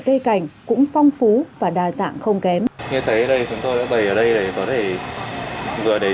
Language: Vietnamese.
cây cảnh cũng phong phú và đa dạng không kém như thế đây chúng tôi đã bày ở đây để có thể vừa để